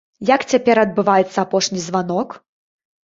Як цяпер адбываецца апошні званок?